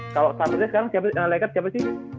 kalo starternya sekarang siapa siapa si